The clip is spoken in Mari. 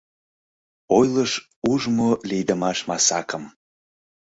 Ойлыш ужмо лийдымаш масакым: